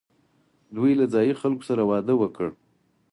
دوی له ځايي خلکو سره واده وکړ